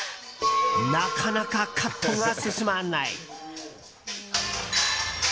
なかなかカットが進まない。